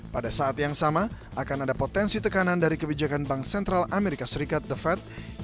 pada saat yang sama akan ada potensi tekanan dari kebijakan bank sentral amerika serikat yang akan menaikkan suku bunga